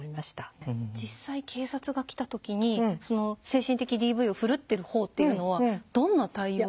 実際警察が来た時に精神的ＤＶを振るってるほうっていうのはどんな対応？